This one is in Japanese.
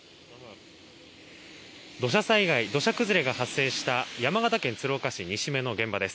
土砂崩れが発生した山形県鶴岡市西目の現場です。